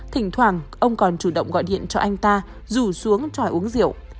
thỉnh thoảng ông còn chủ động gọi điện cho anh ta rủ xuống tròi uống rượu